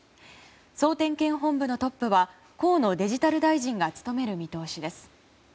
総点検本部のトップは河野デジタル大臣が務める見通しです。